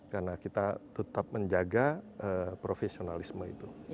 karena kita tetap menjaga profesionalisme itu